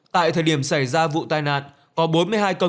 tại thời điểm xảy ra vụ tai nạn